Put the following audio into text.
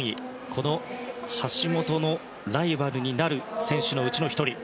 この橋本のライバルになる選手のうちの１人。